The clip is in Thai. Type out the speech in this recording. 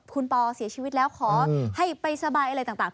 คุณปอเสียชีวิตแล้วขอให้ไปสบายอะไรต่าง